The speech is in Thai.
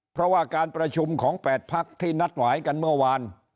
เพราะว่าการประชุมของ๘พักที่นัดหมายกันเมื่อวาน